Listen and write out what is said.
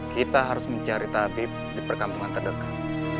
kita harus mencari tabib di perkampungan terdekat